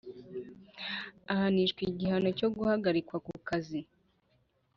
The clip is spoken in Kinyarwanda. Ahanishwa igihano cyo guhagarikwa ku kazi